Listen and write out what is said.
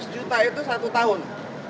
tiga ratus juta itu satu tahun